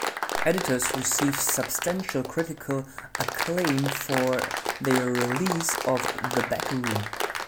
Editors received substantial critical acclaim for their release of "The Back Room".